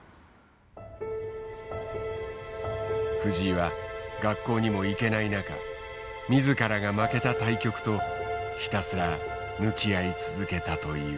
藤井は学校にも行けない中自らが負けた対局とひたすら向き合い続けたという。